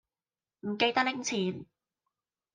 唔記得拎錢